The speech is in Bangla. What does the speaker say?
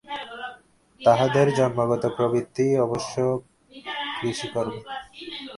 তাহাদের জন্মগত প্রবৃত্তি অবশ্য কৃষিকর্মে।